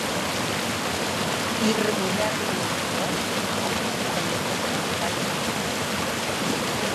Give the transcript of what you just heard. I remullar-li el front amb una tovalloleta amb aigua freda.